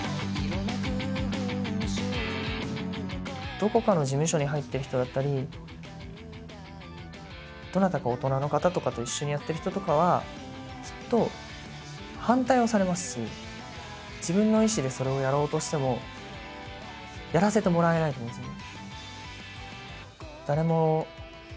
どこかの事務所に入ってる人だったりどなたか大人の方とかと一緒にやってる人とかはきっと反対をされますし自分の意思でそれをやろうとしてもやらせてもらえないと思うんですよね。